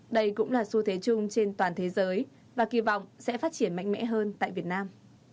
đây cũng là xu thế chung trên toàn thế giới và kỳ vọng sẽ phát triển mạnh mẽ hơn tại việt nam